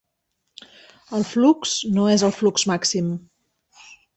El flux no és el flux màxim.